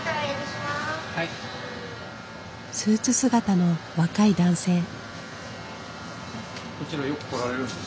スーツ姿の若い男性。